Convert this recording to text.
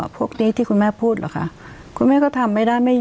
พวกนี้ที่คุณแม่พูดเหรอคะคุณแม่ก็ทำไม่ได้ไม่